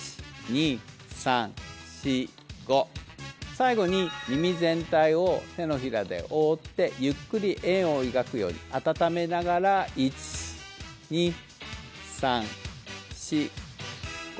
最後に耳全体を手のひらで覆ってゆっくり円を描くように温めながら１２３４５